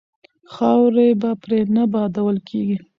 خاورې به پرې نه بادول کیږي.